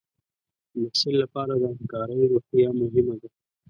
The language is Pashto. د محصل لپاره د همکارۍ روحیه مهمه ده.